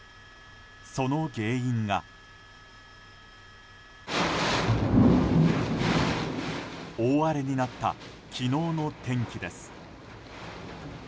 その原因が、大荒れになった昨日の天気です。